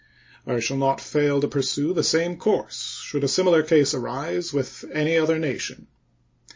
I shall not fail to pursue the same course should a similar case arise with any other nation.